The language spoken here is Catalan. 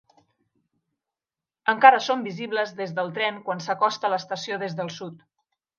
Encara són visibles des del tren quan s'acosta a l'estació des del sud.